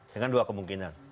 dengan dua kemungkinan